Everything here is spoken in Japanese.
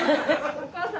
お父さん？